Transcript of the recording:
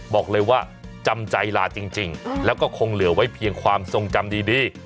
บอกเลยว่าจำใจลาจริงแล้วก็คงเหลือไว้เพียงความทรงจำดี